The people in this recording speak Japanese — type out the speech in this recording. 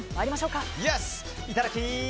いただき！